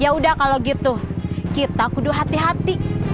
yaudah kalau gitu kita perlu hati hati